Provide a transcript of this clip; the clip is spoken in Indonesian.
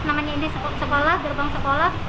namanya ini sekolah gerbang sekolah